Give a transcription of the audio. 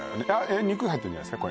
肉入ってるんじゃないっすか？